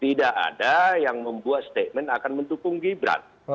tidak ada yang membuat statement akan mendukung gibran